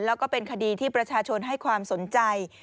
แล้วก็เป็นคดีที่ประชาชนให้ความสนใจ